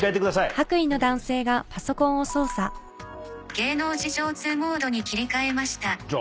「芸能事情通モードに切り替えました」